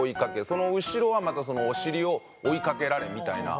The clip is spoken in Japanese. その後ろはまたそのお尻を追いかけられみたいな。